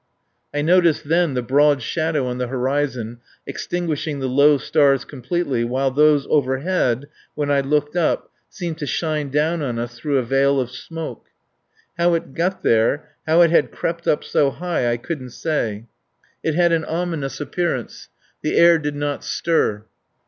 I noticed then the broad shadow on the horizon, extinguishing the low stars completely, while those overhead, when I looked up, seemed to shine down on us through a veil of smoke. How it got there, how it had crept up so high, I couldn't say. It had an ominous appearance. The air did not stir.